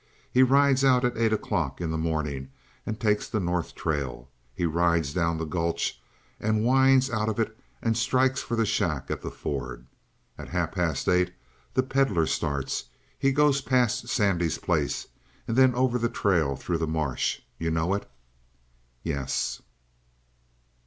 He rides out at eight o'clock in the morning and takes the north trail. He rides down the gulch and winds out of it and strikes for the shack at the ford. At half past eight the Pedlar starts. He goes past Sandy's place and then over the trail through the marsh. You know it?" "Yes."